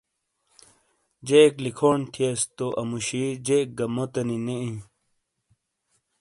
جیک لکھونڈ تھئیس تو اموشی جیک گہ موتےنی نے ایں۔